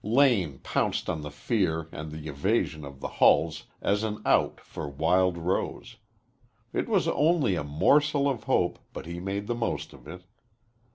Lane pounced on the fear and the evasion of the Hulls as an out for Wild Rose. It was only a morsel of hope, but he made the most of it.